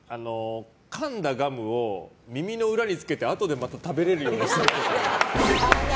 かんだガムを耳の裏につけてあとでまた食べられるようにしてるっぽい。